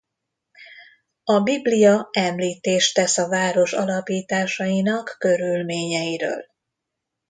A Biblia említést tesz a város alapításainak körülményeiről.